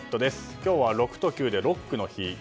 今日は６と９でロックの日。